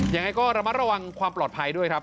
ยังไงก็ระมัดระวังความปลอดภัยด้วยครับ